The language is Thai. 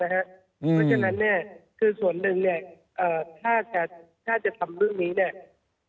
เพราะฉะนั้นเนี่ยคือส่วนหนึ่งเนี่ยถ้าจะทำเรื่องนี้เนี่ย